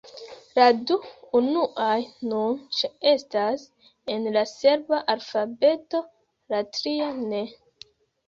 La du unuaj nun ĉeestas en la serba alfabeto, la tria ne.